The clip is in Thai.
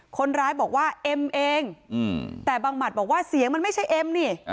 คนร้ายบอกว่าเอ็มเองแต่บังหมัดบอกว่าเสียงมันไม่ใช่เอ็มนี่